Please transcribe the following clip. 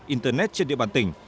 internet trên địa bàn